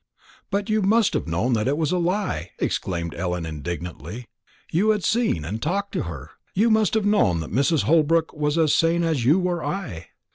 "But you must have known that was a lie!" exclaimed Ellen indignantly. "You had seen and talked to her; you must have known that Mrs. Holbrook was as sane as you or I."